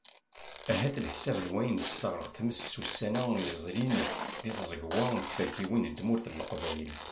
Ahat leḥsab n wayen tesreɣ tmes ussan-a yezrin di tẓegwa d tferkiwin n tmurt n leqbayel.